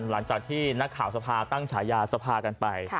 หลังจากที่นักข่าวสภาตั้งฉายาสภากันไป